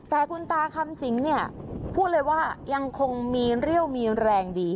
แต่คุณตาคำสิงเนี่ยพูดเลยว่ายังคงมีเรี่ยวมีแรงดี